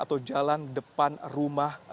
atau jalan depan rumah